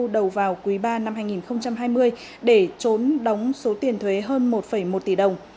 đầu vào quý ba năm hai nghìn hai mươi để trốn đóng số tiền thuế hơn một một tỷ đồng